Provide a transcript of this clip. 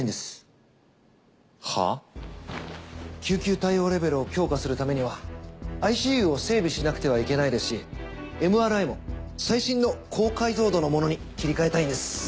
救急対応レベルを強化するためにはＩＣＵを整備しなくてはいけないですしＭＲＩも最新の高解像度のものに切り替えたいんです。